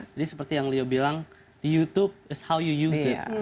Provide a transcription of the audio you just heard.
jadi seperti yang leo bilang di youtube is how you use it